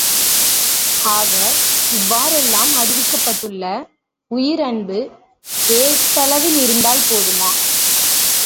ஆக, இவ்வாறெல்லாம் அறிவிக்கப்பட்டுள்ள உயிர் அன்பு ஏட்டளவில் இருந்தால் போதுமா?